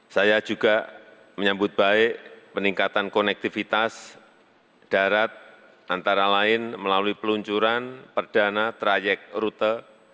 saya juga menyambut baik peningkatan konektivitas darat antara lain melalui peluncuran perdana trayek rute